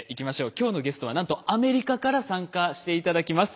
今日のゲストはなんとアメリカから参加して頂きます。